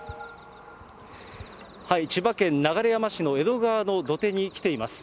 千葉県流山市の江戸川の土手に来ています。